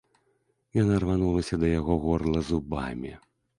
Яна рванулася да яго горла зубамі.